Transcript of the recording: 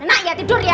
anak ya tidur ya